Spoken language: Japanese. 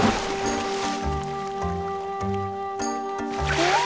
うわ！